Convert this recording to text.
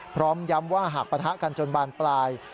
พร้อมย้ำว่าหากปะทะกันจนบานปลาย